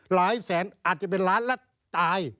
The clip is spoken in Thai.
หลายแสนอาจจะเป็นล้านแล้วตาย